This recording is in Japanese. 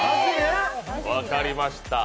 分かりました。